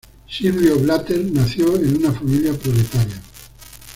Silvio Blatter nació en una familia proletaria.